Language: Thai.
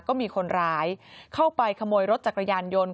ก็มีคนร้ายเข้าไปขโมยรถจักรยานยนต์